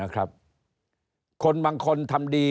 คนบางคนทำดี